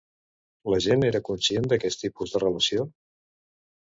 La gent era conscient d'aquest tipus de relació?